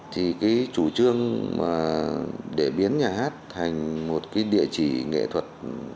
thì cái chủ trương để biến nhà hát thành một cái địa chỉ nghệ thuật